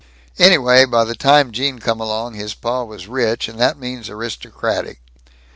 Anyway, by the time Gene come along, his pa was rich, and that means aristocratic.